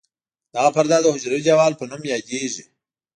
دغه پرده د حجروي دیوال په نوم یادیږي.